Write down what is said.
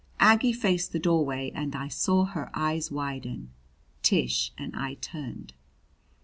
Aggie faced the doorway and I saw her eyes widen. Tish and I turned.